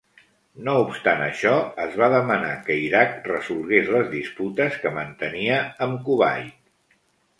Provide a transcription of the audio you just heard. No obstant això, es va demanar que Iraq resolgués les disputes que mantenia amb Kuwait.